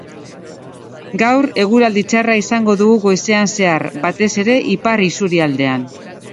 Gaur, eguraldi txarra izango dugu goizean zehar, batez ere ipar isurialdean.